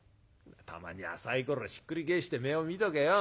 「たまにはさいころひっくり返して目を見とけよ。